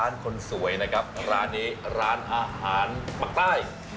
คนสวยนะครับร้านนี้ร้านอาหารปากใต้